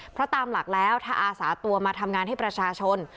เพราะตามหลักแล้วถ้าอาสาตัวมาทำงานให้ประชาชน